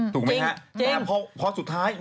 ถูกไหมฮะพอสุดท้ายจริง